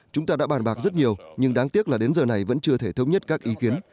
chúng ta đã bàn bạc rất nhiều nhưng đáng tiếc là đến giờ này vẫn chưa thể thống nhất các ý kiến